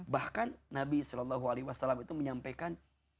bahkan nabi saw itu menyampaikan